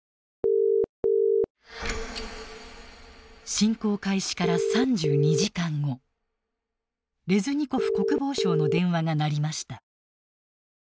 ☎侵攻開始から３２時間後レズニコフ国防相の電話が鳴りました。